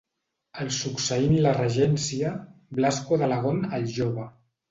El succeí en la regència Blasco d'Alagón el Jove.